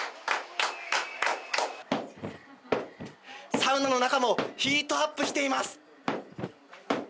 サウナの中もヒートアップしています！